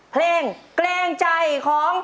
เพลงเกรงใจของ